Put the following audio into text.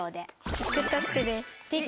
ＴｉｋＴｏｋです。